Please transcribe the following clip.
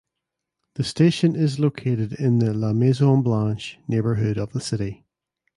The station is located in the "La Maison Blanche" neighbourhood of the city.